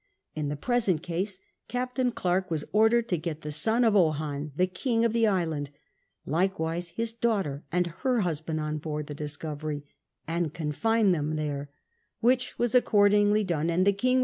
In the present case Captain Clerke was ordered to get the son of Ohan, the king of the island, likewise his daughter and her husband, on board the Discovery, and confiue them there, W'hich "was accordingly z Tff£ CAPTAWS l>/SC//>£lArg